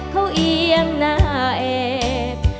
เขาเอียงหน้าแอบ